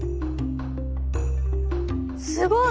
すごい！